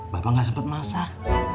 bapak nggak sempet masak